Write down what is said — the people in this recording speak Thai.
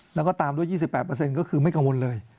แล้วก็ตามด้วย๒๘ก็คือไม่กังวลเลย